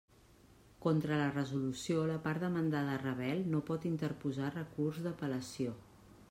Contra la resolució la part demandada rebel no pot interposar recurs d'apel·lació.